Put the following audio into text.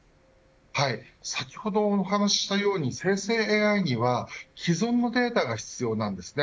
先ほどお話したように、生成ＡＩには既存のデータが必要なんですね。